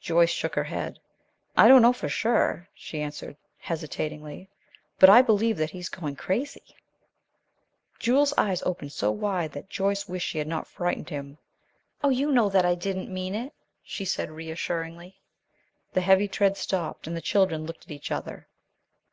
Joyce shook her head. "I don't know for sure," she answered, hesitatingly, "but I believe that he is going crazy." Jules's eyes opened so wide that Joyce wished she had not frightened him. "Oh, you know that I didn't mean it," she said, reassuringly. The heavy tread stopped, and the children looked at each other.